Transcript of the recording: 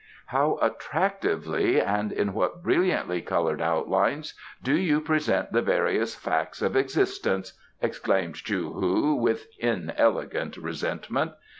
"How attractively and in what brilliantly coloured outlines do you present the various facts of existence!" exclaimed Chou hu, with inelegant resentment.